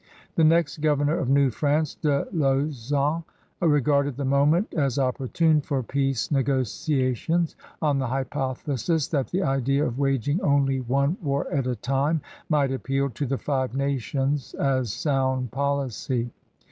The next governor of New France, De Lauzon, regarded the moment as opportune for peace negotiations, on the hypothesis that the idea of waging only one war at a time might appeal to the Five Nations as sound policy.